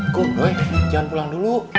kum doi jangan pulang dulu